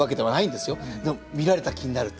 でも見られた気になるって。